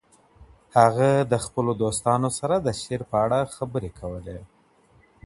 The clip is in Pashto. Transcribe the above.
هغه د خپلو دوستانو سره د شعر په اړه خبرې کولې.